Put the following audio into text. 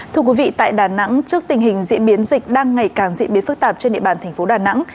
thưa quý vị tại đà nẵng trước tình hình diễn biến dịch đang ngày càng diễn biến phức tạp trên địa bàn thành phố đà nẵng